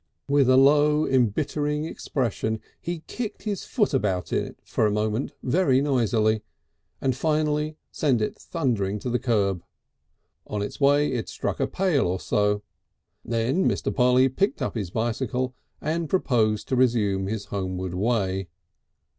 With a low embittering expression he kicked his foot about in it for a moment very noisily, and finally sent it thundering to the curb. On its way it struck a pail or so. Then Mr. Polly picked up his bicycle and proposed to resume his homeward way.